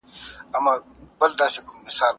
ما ول ولي ته راځې ؟ ول څخه